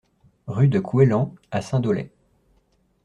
Rue de Coueslan à Saint-Dolay